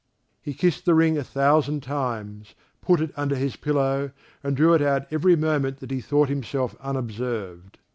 He kissed the ring a thousand times, put it under his pillow, and drew it out every moment that he thought himself unobserved.